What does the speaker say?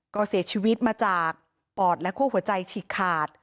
ก็เสียชีวิตมาจากปอดและคั่วหัวใจฉีกขาด